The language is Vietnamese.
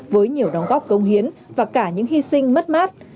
với nhiều đóng góp công hiến và cả những hy sinh mất mát